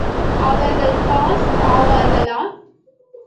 அவர்கள் பாஸ் ஆவார்களா?